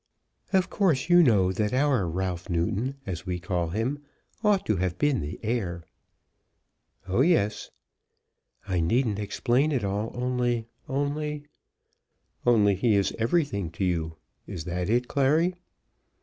"Of course you know that our Ralph Newton, as we call him, ought to have been the heir." "Oh, yes." "I needn't explain it all; only, only " "Only he is everything to you. Is it that, Clary?"